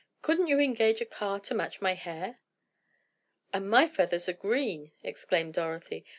Couldn't you engage a car to match my hair?" "And my feathers are green!" exclaimed Dorothy.